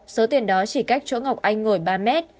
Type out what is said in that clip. số tiền đó chỉ cách chỗ ngọc anh ngồi ba mét